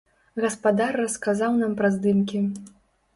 Гаспадар расказаў нам пра здымкі.